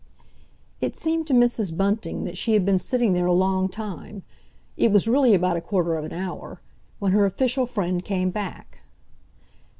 It seemed to Mrs. Bunting that she had been sitting there a long time—it was really about a quarter of an hour—when her official friend came back.